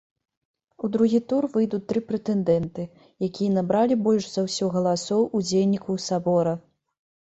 У другі тур выйдуць тры прэтэндэнты, якія набралі больш за ўсё галасоў удзельнікаў сабора.